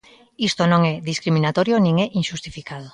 Isto non é discriminatorio nin é inxustificado.